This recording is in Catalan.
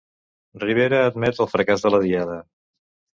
Rivera admet el fracàs de la diada